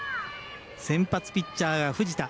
先発ピッチャーが藤田。